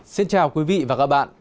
xin chào quý vị và các bạn